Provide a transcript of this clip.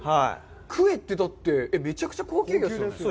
クエってだって、めちゃくちゃ高級魚ですよね！？